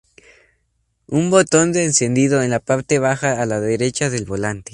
Un botón de encendido en la parte baja a la derecha del volante.